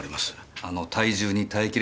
あの体重に耐え切れなくて？